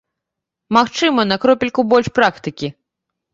Магчыма, на кропельку больш практыкі.